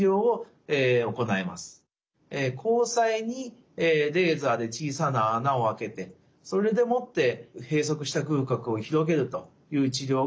光彩にレーザーで小さな穴を開けてそれでもって閉塞した隅角を広げるという治療が行われます。